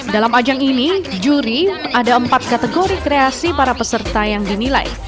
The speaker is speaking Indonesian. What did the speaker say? dalam ajang ini juri ada empat kategori kreasi para peserta yang dinilai